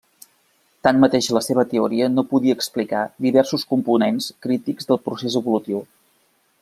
Tanmateix, la seva teoria no podia explicar diversos components crítics del procés evolutiu.